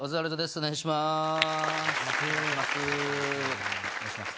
お願いします